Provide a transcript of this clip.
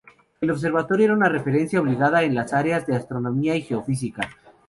El Observatorio era una referencia obligada en las áreas de Astronomía y Geofísica.